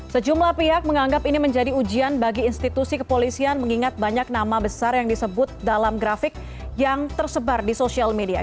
sejumlah pihak menganggap ini menjadi ujian bagi institusi kepolisian mengingat banyak nama besar yang disebut dalam grafik yang tersebar di sosial media